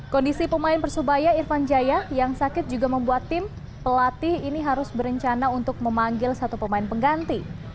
kondisi pemain persebaya irfan jaya yang sakit juga membuat tim pelatih ini harus berencana untuk memanggil satu pemain pengganti